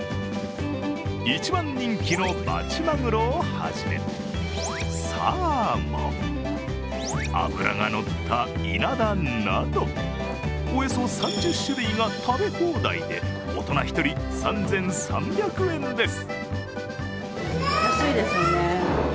一番人気のバチマグロをはじめ、サーモン、脂が乗ったイナダなどおよそ３０種類が食べ放題で大人１人３３００円です。